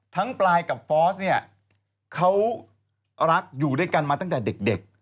ปลายกับฟอสเนี่ยเขารักอยู่ด้วยกันมาตั้งแต่เด็ก